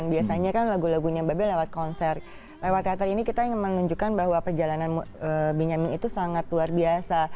biasanya kan lagu lagunya babel lewat konser lewat teater ini kita ingin menunjukkan bahwa perjalanan benyamin itu sangat luar biasa